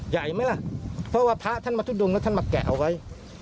ใหญ่ไหมล่ะเพราะว่าพระท่านมาทุดงแล้วท่านมาแกะเอาไว้